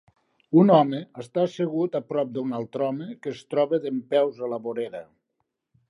Un home està assegut a prop d'un altre home que es troba dempeus a la vorera.